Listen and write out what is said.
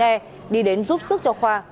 chín e đi đến giúp sức cho khoa